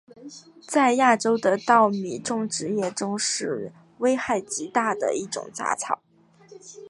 在亚洲的稻米种植业中是危害极大的一种杂草。